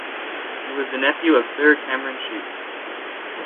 He was the nephew of Sir Cameron Shute.